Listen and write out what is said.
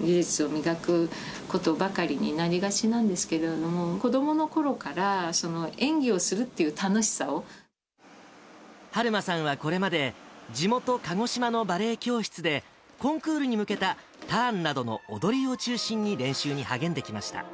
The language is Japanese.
技術を磨くことばかりになりがちなんですけれども、子どものころから、演技をするっていう楽はるまさんはこれまで、地元、鹿児島のバレエ教室で、コンクールに向けたターンなどの、踊りを中心に練習に励んできました。